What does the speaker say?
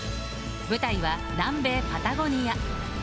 舞台は、南米パタゴニア。